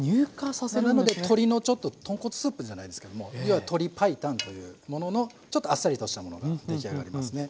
なので鶏のちょっと豚骨スープじゃないですけども要は鶏白湯というもののちょっとあっさりとしたものが出来上がりますね。